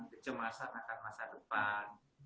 kecemasan akan masa depan